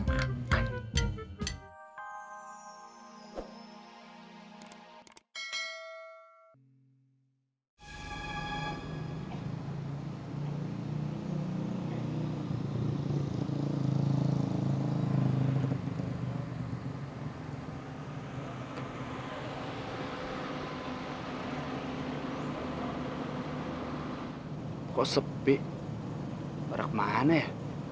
biar kau sebih ngerik mana ya